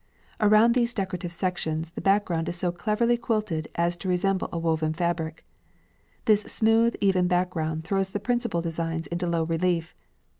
Around these decorative sections the background is so closely quilted as to resemble a woven fabric. This smooth, even background throws the principal designs into low relief.